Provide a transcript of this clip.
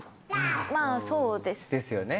まぁそうですね。ですよね？